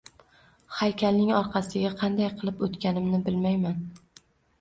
Haykalning orqasiga qanday qilib o‘tganimni bilmayman.